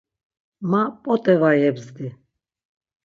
Ma p̌ot̆e va yebzdi.